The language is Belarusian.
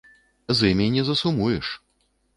З імі не засумуеш!